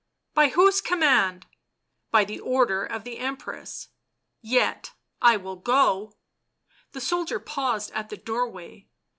" By whose command?" " By order of the Empress." "Yet I will go." The soldier paused at the doorway.